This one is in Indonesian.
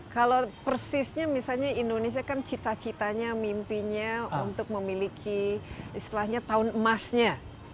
kalau persisnya misalnya indonesia kan cita citanya mimpinya untuk memiliki istilahnya tahun emasnya